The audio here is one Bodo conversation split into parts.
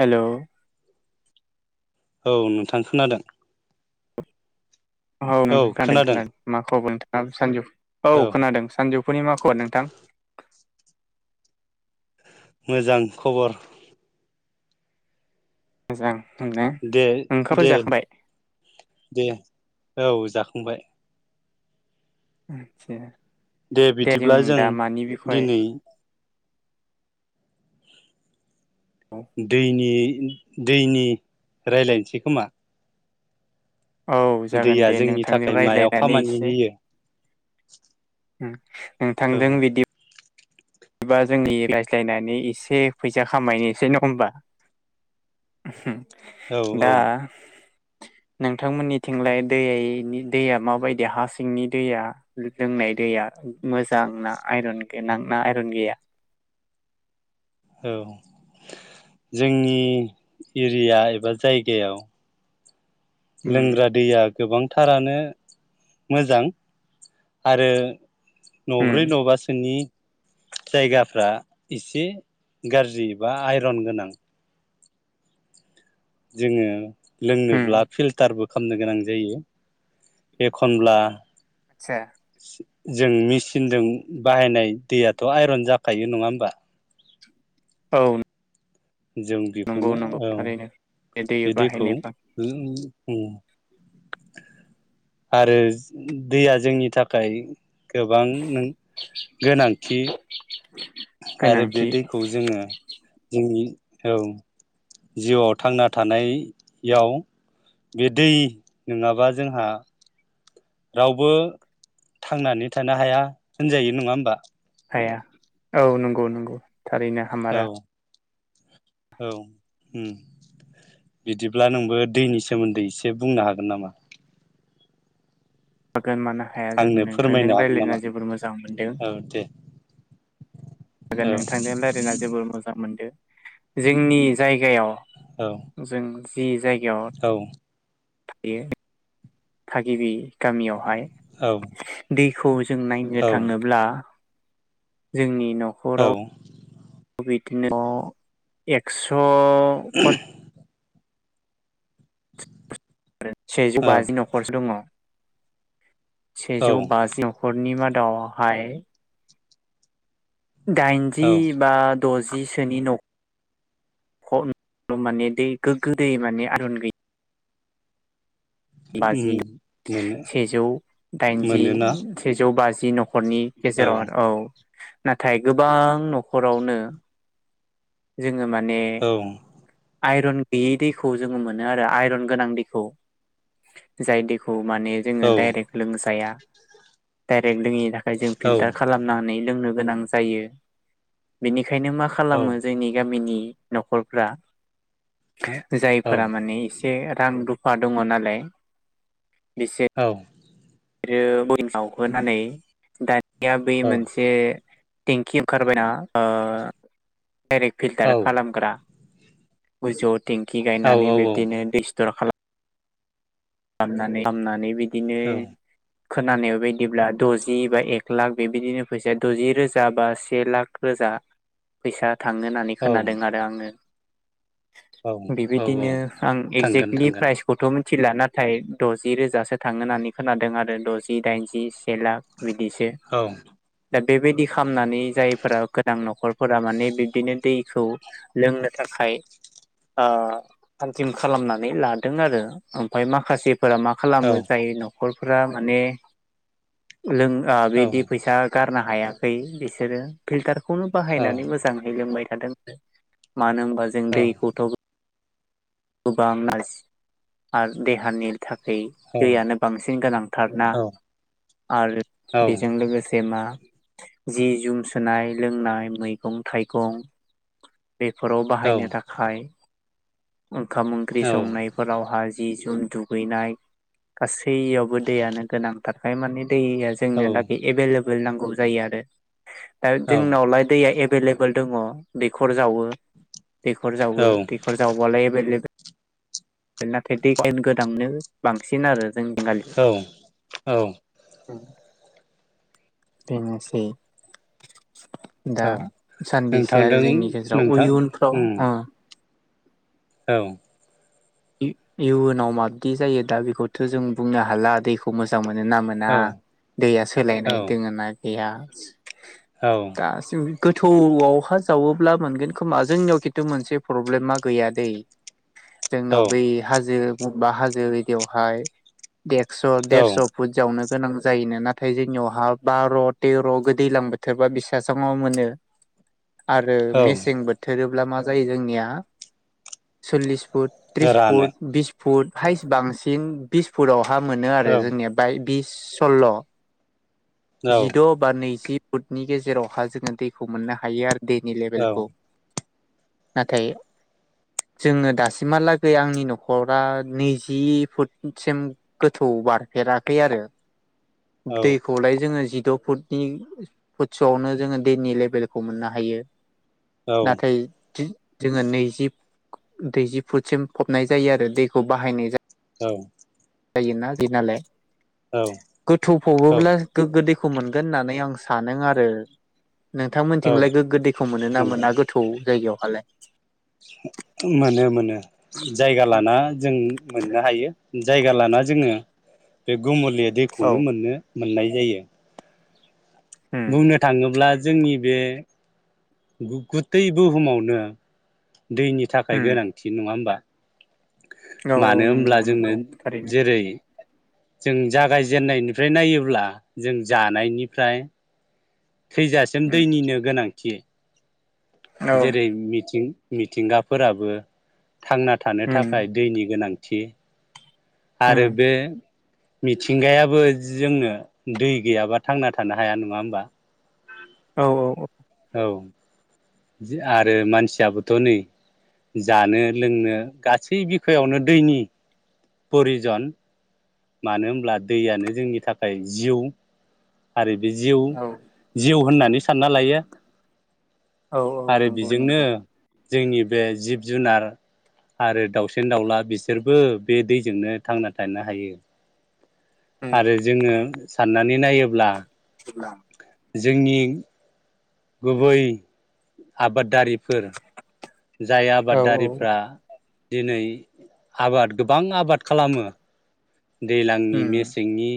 हेल' औ नोंथां खोनादों। औ नों खोनादों खोनादों मा खब नोंथां। गाहाम सानजु औ खोनादों सानजौफुनि मा खबर नोंथां? मोजां खबर। मोजां। नोंना दे ओंखामफोर दे जाखांबाय दे। औ जाखांबाय। आदसा। दे बिदिब्ला जों दा मानि बिखय दिनै दैनि रायलायनोसै खोमा। औ जागोन दैया दे जोंनि नोंथांजों थाखाय मायाव रायज्लायनानै खामानि एसे होयो? ओम। औ नोंथांजों बिदिबा जों रायज्लायनानै इसे फैसा खामायनोसै न'ङा होमबा? औ दा औ नोंथांमोननिथिंलाय दैया माबायदि हा सिंनि दैया लोंनाय दैया मोजां ना आइरन गोनां ना आइरन गैया? औ जोंनि एरिया एबा जायगायाव उम लोंग्रा दैया गोबांथारानो मोजां आरो उम न'ब्रै न'बासोनि जायगाफ्रा इसे गाज्रि बा आइरन गोनां। जोंङो उम लोंनोब्ला फिल्टारबो खामनो गोनां जायो एखनब्ला सा जों मिचिनजों बाहायनाय दैयाथ' आइरन जाखायो नङा होमबा? औ। जों नंगौ बिखौनो नंगौ औ थारैनो दै बे दैखौ बाहायनायबा [unintelligible] ओम। आरो दैया जोंनि थाखाय-' गोबां गोनांथि। आरो बे गोनांथि दैखौ जोंङो जोंनि औ जिउआव थांना थानायाव बे दै नोंङाबा जोंहा रावबो थांनानै थानो हाया होनजायो नंङा होमबा? हाया औ नंगौ नंगौ। थारैनो औ हामारा औ ओम बिदिब्ला नोंबो दैनि सोमोन्दै इसे बुंनो हागोन नामा। गोनमानो हाया जानो आंनो नोंथांजों फोरमायनो हागोन रायज्लायना नामा जोबोर मोजां मोनदों औ दे औ हागोन नोंथांजों रायज्लायना जबोर मोजां मोनदों। जोंनि जायगायाव औ जों जि जायगायाव औ थायो थागिबि गामियावहाय औ। बिखौ जों नायनो औ थाङोब्ला जोंनि औ। न'खराव बिदिनो न' एक्स' पन [unintelligible] आरो सेजौ बाजि न'खरसो दङ। औ सेजौ बाजि नखरनि मा दाव हाय डाइनजि औ बा द'ज जिसोनि न'खर माने दै गोग्गो दै माने आइरन गैय बाजि उम मोनो सेजौ दाइनजि मोनोना सेजौ बाज जि न'ख खरनि गेजेराव आरो औ। नाथाय गोबां न'खरावनो जो ङो माने औ आइरन गैयै दैखौ जोङो मोनो आरो आइरन गोनां दैखौ जाय दैख खौ माने जोङो औ डाइरेक्ट लोंजाया डाइरेक लोङै दा जों औ फिल्टार खालामनानै लोंनो गोनां जायो बिनिख खायनो मा औ खालामो जोंनि गामिनि न'खरफ्रा जायफोरा माने एसे रां रुफा दङ नालाय औ आरो बरिं जावहोनानै दा या बे मोनसे टेंकि ओंखारबायना ओ डाइरेक्ट फिल्टार खालामग्रा [unintelligible] टेंखि गायनानै बिब्दिनो दैस्थर खाला खामनानै खामनानै बिद बिनो खोनानाय बायदिब्ला दजि बा एक लाख बेबायदिनो फैसााया दजिरोजा बा से लाख रोजा फैसा थांनो नानै खोनादों आरो आङो। औ औ औ बेबायदिनो आं थांगोन एगजेक्टलि थांगोन प्राइजखौथ' मोन थिला ना थाय द'जि रोजासो थांङो होननानै खोनादों आरो द'जि दाइनजि से लाख बिदिसो औ दा बेबायदि खामनानै जायफोरा गोनां नख'रफोरा माने बिब्दिनो दैखौ लोंनो थाखाय ओ थामथिम खालामनानै लादों आरो ओम फाय माखासे फोरा मा औ खालामो जायो नाव नख'रफ्रा माने लों ओ औ बिदि फैसा गारना हायाखै बिसोरो फिल्टार खौनो औ बाहायनानै मोजाङै लोंबाय थादों मानो होनबा जों दैखौथ' [unintelligible] आर देहानिल थाखाय दैयानो बांसिन गोनांथारना आरो बेजों लोगोसे मा जि जुम सुनाय लोंनाय मैगं थाइगं बेफोराव बाहायनो औ थाखाय ओंखाम ओंख्रि संनायफोरावहाय जि जोम दुगैनाय गासैयावबो दैयानो गोनांथारखाय माने दैया जोंनो औ दा बे एभेलेब बोल नांगौ जायो आरो। दा जोंनावलाय दैया एभेलेबल दङ दैखर जावो दैखर जावो दैखर जावबालाय एभेलेबल नाथाय दैखेन गोदांनो बांसिन आरो जोंनिथिंगालि औ औ बेनोसै दा औ सानबेसे आरो नोंथांदों जोंनि गेजेराव नोंथां इयुनफ्राव उम औ इ इउनाव माबाददि जायो दा बेखौथ' जों बुंनो हाला दैखौ मोजां मोनो मोनो ना मोना औ दैया सोलायनाय औ दोङो ना एयास औ दसिबो गोथौआव हा जावोब्ला मोनगोन खोमा जोंनियाव खिन्थु मोनसे प्रब्लेमा गैया दै जोंनाव बै हाजो मबबा हाजोहैदियावहाय देगस' औ देरस' फुट जावनो गोनां जायोनो नाथाय जोंनियाव हा बार' तेर' गो दैलां बोथोरबा बिसासांआव मोनो आरो औ मेसें बोथोरोब्ला मा जायो जोंनिया सललिस फुट त्रिस रानो फुट बिस फुट हाइस बांसिन बिस फुटाव मोनो आरो औ जोंनिया बाय बिस सल्ल' औ जिद' बा नैजि बुटनि गेजेरावहा जोंङो दैखौ मोननो हायो आरो दैनि औ लेबेलखौ नाथाय जोंङो दासिमहालागै आंनि न'खरा नैजि फुटसिम गोथौ बारफेराखै आरो औ दैखौलाय जोंङो जिद' फुटिं फुटस'आवनो जोंङो दैनि लेबेलखौ मोननो हायो नाथाय धै जोंङो नैजि दैजि फुटसिम फबनाय जायो आरो दैखौ बाहायनाय जायो औ जायो ना बिनालाय औ गोथौ फबोबोला औ गो गोदै दैखौ मोनगोन होननानै आं सानो आरो। नोंथां औ मोननिथिंलाय गोगो दैखौ मोनो ना मोनगोन मोना गोथौ जायगायाव? फलाय [unintelligible] मोनो मोनो। जायगा लाना जों मोननो हायो। जायगा लाना जोङो बे गुमुल गोरलैया औ दैखौनो मोनो। मोननाय जायो। उम बुंनो थाङोब्ला जोंनि बे गुथै बुहुमावनो दैनि थाखाय उम गोनांथि नङा होमबा? औ औ मानो होनब्ला नंगौ जोंनो नंगौ थारैनो जेरै जों जागायजेननायनिफ्राय नायोब्ला जों जानायनिफ्राय थैजासिम उम दैनिनो गोनां थियो औ जेरै मिथिं मिथिंगाफोराबो थांना थानो उम थाखाय दैनि गोनां। थि उम आरो बे मिथिंगायाबो जोंनो दै गैयाबा थांना थानो हाया नङा होमबा। औ औ औ। औ आरो मानसियाबोथ' नै जानो लोंनो गासै बिखायावनो दैनि प्रयिजन मानो होनब्ला दैयानो जोंनि थाखाय जिउ आरो बे जिउ औ जिउ होननानै सानना लायो औ औ आरो नंगौ बेजोंनो नंगौ। जोंनि बे जिब जुनार आरो दाउसेन दाउला बिसोरबो बे दैजोंनो थांना थानो हायो। उम आरो जोङो साननानै। नायोब्ला सां [unintelligible] जोंनि गुबै आबादारिफोर जाय औ आबादारिफ्रा दिनै आबाद गोबां आबाद खालामो। दैलांनि उम मेसेंनि।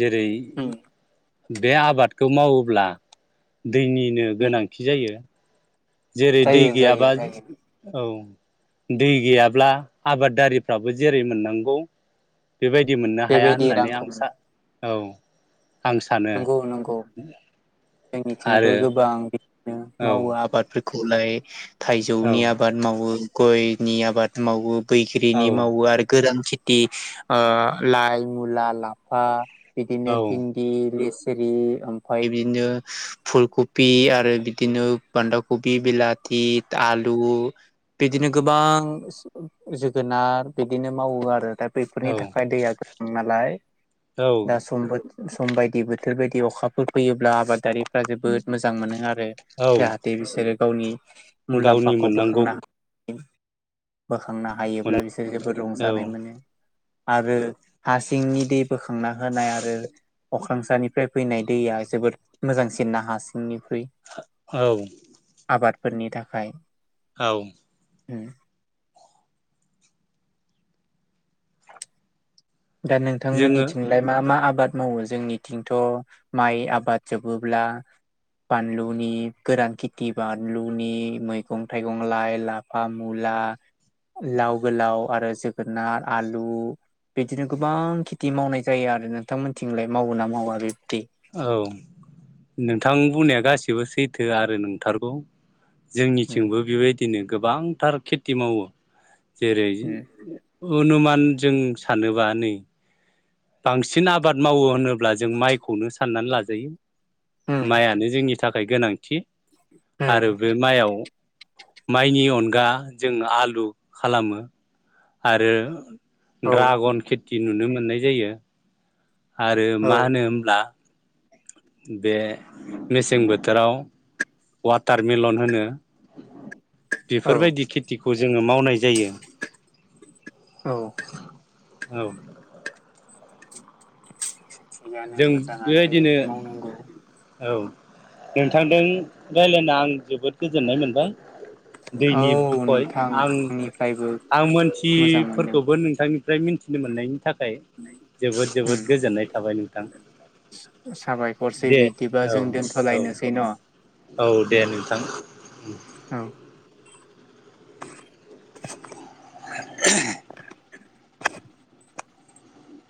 जेरै- उम बे आबादखौ मावोब्ला। दैनिनो गोनांथि जायो। जेरै दै जायो जायो गैयाबा जायो औ। दै गैयाब्ला आबादारिफ्राबो जेरै- मोननांगौ। बेबायदि मोननो हाया बेबायदि होननानै रांखौ आं मोनो सा औ। आं सानो नंगौ नंगौ जोंनिथिंबो आरो गोबां बि औ मावो आबादफोर खौलाय। औ थाइजौनि आबाद मावो। गयनि आबाद मावो। औ बैख्रिनि मावो आरो गोरान थिथि ओ आ लाइ मुला लाफा। बिदिनो भिन्दि। लि सिरि ओमफाय बिदिनो फुलकबि आरो बिदिनो बान्दा कबि बिलाथि आलु बिदिनो गोबां जोगोनार बिदिनो मावो आरो दा औ बेफोरनि थाखाय दैया गबां नालाय दा औ समबो। समबायदि। दि बोथोर बायदि अखाफोर फैयोब्ला आबादारिफ्रा जोबोद मोजां मोनो आरो। औ रो जाहाथे बिसोरो गावनि गावनि मुलाम्फाखौ मोननांगौ बोखांनो ह बोखांनो मोन हायोब्ला बिसोर जोबोद औ रंजानाय मोनो। आरो हारसिंनि दे बोखांना होनाय आरो। अख्रांसानिफ्राय फैनाय दैया जोबोद मोजांसिनना हा सिंनि फै औ आबाद। फोरनि थाखाय। औ। उम। दा जोङो नोंथांमोननिथिंलाय मा मा आबाद मावो? जोंनिथिंथ' माइ आबाद जोबोब्ला बानलुनि गोरान खेथि बानलुनि मैगं थाइगं लाइ लाफा मुला लाव गोलाव आरो जोगोनार आलु बिदिनो गोबां खेथि मावनाय जायो आरो नोंथांमोनथिंलाय मावोना मावा बे औ नोंथां बुंनाया गासि सिबो सैथो आरो नोंथारगौ। उम जोंनिथिंबो बिबायदिनो गोबांथार खेथि मावो। जेरै उम अनुमान जों सानोबा नै बांसिन आबाद मावो होनो ब्ला जों माइखौनो सा साननानै लाजायो। उम माइआनो जोंनि नि थाखाय गोनांथि। उम आरो बे माइयाव माइनि अनगा जों आलु खालामो आरो औ द्रागन खि थि नुनो मोननाय जायो। आरो औ मा होनो होमब्ला बे मेसें बोथोराव वाटारमेलन होनो औ बेफोरबायदि खेथि जोङो मावनाय जायो। औ औ। थिगानो जों मोजाङानो बिदि मावनांगौ। नोंथांदों रायलायना आं जोबोद गोजोननाय मोनबाय। औ दैनि बिखय नोंथां आं आंनिफ्रायबो आं मोजां मोनदों मोनथिफोरखौबो नोंथांनि फ्राय मिन्थिनो मोननायनि था खाय जोबोद उम जोबोद गोजोननाय थाबाय नों साबायखरसै बिदिबा औ जों औ दोनथ'लायनोसै न' औ दे उम नोंथां औ। [inaudible] [inaudible]